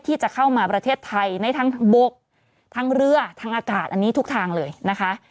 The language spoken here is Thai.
ที่จะเข้ามาประเทศไทยในทั้งบกทั้งเรือทั้งอากาศอันนี้ทุกทางเลยนะคะ